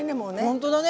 ほんとだね。